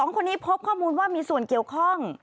๒คนนี้พบข้อมูลว่ามีส่วนเกี่ยวข้อง